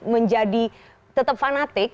menjadi tetap fanatik